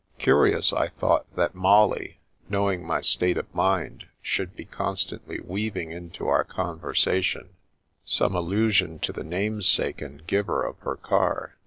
Curious, I thought, that Molly, knowing my state of mind, should be constantly weaving into our con versation some allusion to the namesake and giver of her car.